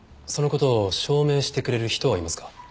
その事を証明してくれる人はいますか？